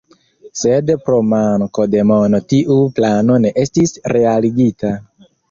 Sed pro manko de mono tiu plano ne estis realigita.